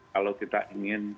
kalau kita ingin